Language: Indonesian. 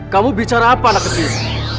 kamu bicara apa anak kecil